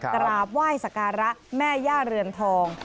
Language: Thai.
กราบไหว้สการะแม่ย่าเรือนทอง